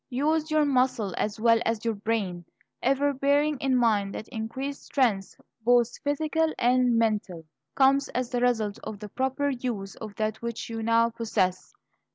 Use your muscle as well as your brain, ever bearing in mind that increased strength, both physical and mental, comes as the result of the proper use of that which you now possess.